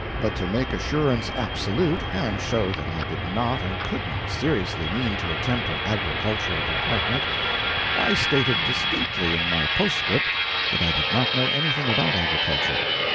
But to make assurance absolute, and show that I did not and could not seriously mean to attempt an Agricultural Department, I stated distinctly in my postscript that I did not know anything about Agriculture.